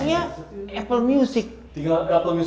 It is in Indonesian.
tinggal ke apple music nya